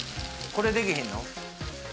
これできひんの？